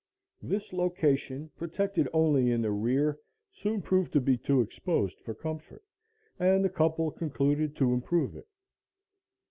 This location, protected only in the rear, soon proved to be too exposed for comfort, and the couple concluded to improve it.